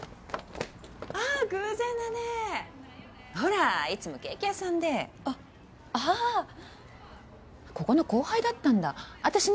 ああ偶然だねほらいつもケーキ屋さんであっああっここの後輩だったんだ私ね